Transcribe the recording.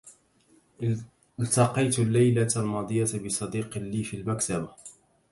التقيت اللّيلة الماضية بصديق لي في المكتبة.